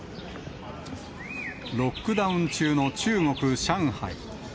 ロックダウン中の中国・上海。